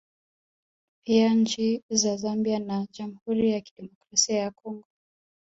Pia nchi za Zambia na Jamhuri ya Kidemokrasia ya Congo